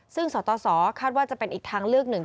ซึ่งสตสคาดว่าจะเป็นอีกทางเลือกหนึ่ง